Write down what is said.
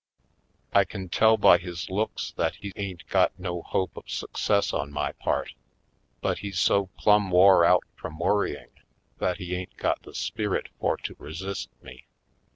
I can tell by his looks that he ain't got no hope of success on my part, but he's so plumb wore out from worrying that he ain't got the spirit for to resist me.